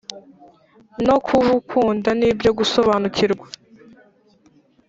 no kubukunda ni byo gusobanukirwa.